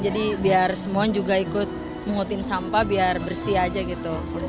biar semuanya juga ikut mengutin sampah biar bersih aja gitu